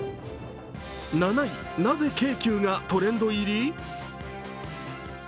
７位、なぜ京急がトレンド入り？